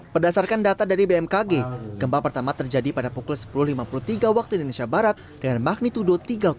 berdasarkan data dari bmkg gempa pertama terjadi pada pukul sepuluh lima puluh tiga waktu indonesia barat dengan magnitudo tiga